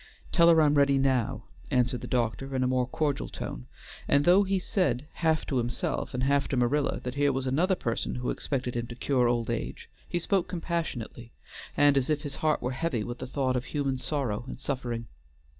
"Tell her I'm ready now," answered the doctor in a more cordial tone, and though he said half to himself and half to Marilla that here was another person who expected him to cure old age, he spoke compassionately, and as if his heart were heavy with the thought of human sorrow and suffering.